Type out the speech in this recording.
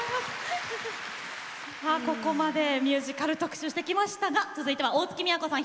さあここまでミュージカル特集してきましたが続いては大月みやこさん